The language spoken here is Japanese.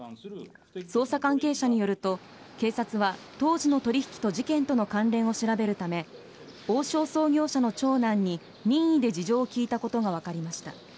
捜査関係者によると警察は当時の取引と事件との関連を調べるため王将創業者の長男に、任意で事情を聴いていたことが分かりました。